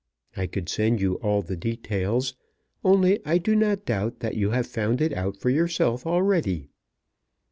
I could send you all the details, only I do not doubt that you have found it out for yourself already.